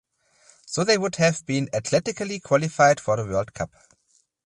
So they would have been athletically qualified for the World Cup.